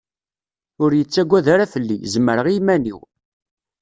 Ur yettwaggad ara fell-i, zemreɣ i yiman-iw.